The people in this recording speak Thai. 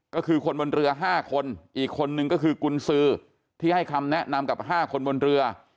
ก็คือคนบนเรือ๕คนอีกคนนึงก็คือกุญสือที่ให้คำแนะนำกับ๕คนบนเรือ